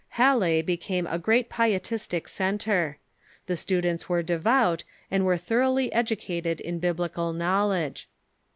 Halle became a great Pietistic centre. The students were devout, and were thoroughly educated in Biblical knowledge.